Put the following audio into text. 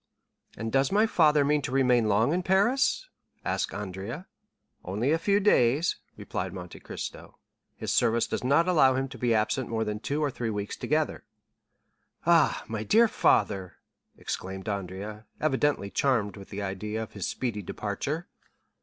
"And does my father mean to remain long in Paris?" asked Andrea. "Only a few days," replied Monte Cristo. "His service does not allow him to absent himself more than two or three weeks together." "Ah, my dear father!" exclaimed Andrea, evidently charmed with the idea of his speedy departure.